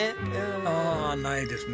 ああないですね。